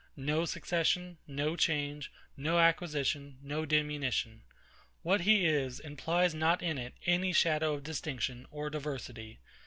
No succession, no change, no acquisition, no diminution. What he is implies not in it any shadow of distinction or diversity.